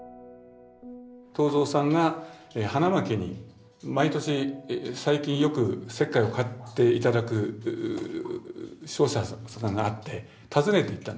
東蔵さんが花巻に毎年最近よく石灰を買って頂く商社さんがあって訪ねていったんですね。